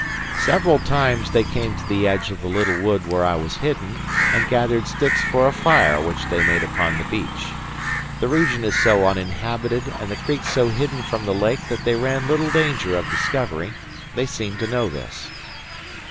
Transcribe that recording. Several times they came to the edge of the little wood where I was hidden, and gathered sticks for a fire which they made upon the beach. The region is so uninhabited and the creek so hidden from the lake that they ran little danger of discovery. They seemed to know this."